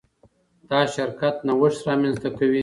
دا شرکت نوښت رامنځته کوي.